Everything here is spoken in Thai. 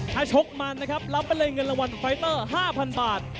ถ้าชกมันนะครับรับไปเลยเงินรางวัลไฟเตอร์๕๐๐บาท